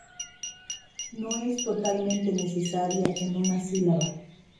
No es totalmente necesaria en una sílaba.